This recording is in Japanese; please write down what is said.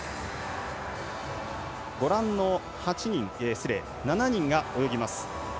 ご覧の７人が泳ぎます。